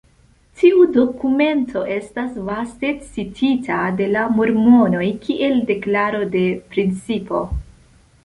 Tiu dokumento estas vaste citita de la mormonoj kiel deklaro de principo.